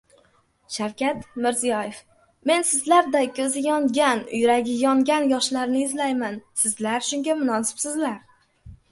Shavkat Mirziyoyev: Men sizlarday ko‘zi yongan, yuragi yongan yoshlarni izlayman, cizlar shunga munosibsizlar